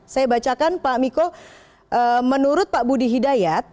saya bacakan pak miko menurut pak budi hidayat